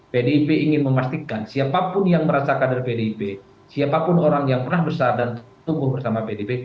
pdip ingin memastikan siapapun yang merasa kader pdip siapapun orang yang pernah besar dan tumbuh bersama pdip